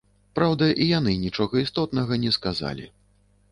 Праўда, і яны нічога істотнага не сказалі.